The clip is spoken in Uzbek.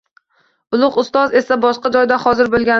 Ulug‘ Ustoz esa boshqa joyda hozir bo‘lganidan